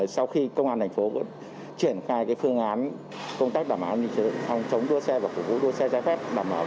sau khi công an thành phố triển khai phương án công tác đảm bảo chống đua xe và phục vụ đua xe trái phép